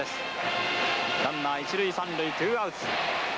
ランナー一塁三塁ツーアウト。